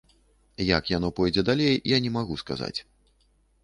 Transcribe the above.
Як яно пойдзе далей, я не магу сказаць.